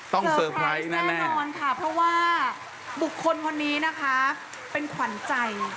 เซอร์ไพรส์แน่นอนค่ะเพราะว่าบุคคลคนนี้นะคะเป็นขวัญใจ